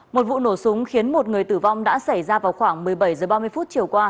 một vụ nổ súng khiến một người tử vong đã xảy ra vào khoảng một mươi bảy h ba mươi chiều qua